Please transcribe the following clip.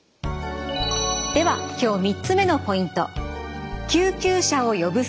では今日３つ目のポイント。